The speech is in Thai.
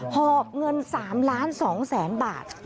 หอบเงิน๓ล้าน๒แสนบาท